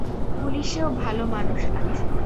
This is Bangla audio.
পুলিশেও ভালো মানুষ আছে।